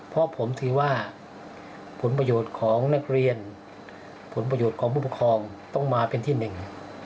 เพราะผมถือว่าผลประโยชน์ของนักเรียนผลประโยชน์ของผู้ปกครองต้องมาเป็นที่หนึ่ง